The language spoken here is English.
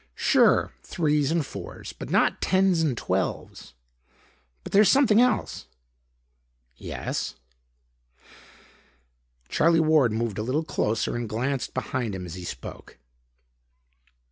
"Sure; threes and fours, but not tens and twelves. But there's something else." "... yes?" Charlie Ward moved a little closer and glanced behind him as he spoke.